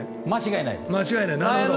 間違いないです。